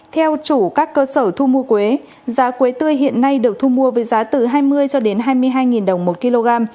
theo chủ các cơ sở thu mua quế giá quế tươi hiện nay được thu mua với giá từ hai mươi cho đến hai mươi hai đồng một kg